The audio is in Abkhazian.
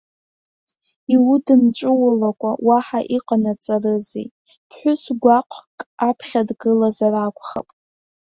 Иудымҵәыуалакәа уаҳа иҟанаҵарызеи, ԥҳәысгәаҟк аԥхьа дгылазар акәхап!